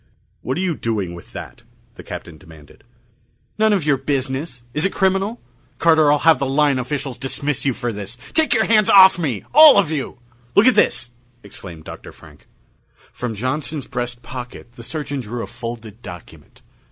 "What are you doing with that?" the Captain demanded. "None of your business! Is it criminal? Carter, I'll have the line officials dismiss you for this! Take your hands off me all of you!" "Look at this!" exclaimed Dr. Frank. From Johnson's breast pocket the surgeon drew a folded document.